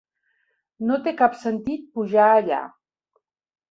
No té cap sentit pujar allà!